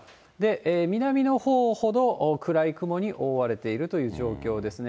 南のほうほど暗い雲に覆われているという状況ですね。